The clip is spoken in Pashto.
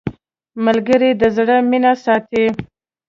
ملګری د زړه مینه ساتي